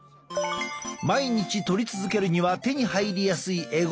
毎日とり続けるには手に入りやすいえ